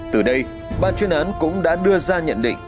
từ đây bà chuyên án cũng đã đưa ra nhận định